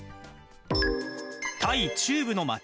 タイ中部の町。